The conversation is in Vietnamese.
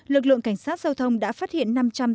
lực lượng cảnh sát giao thông đã phát hiện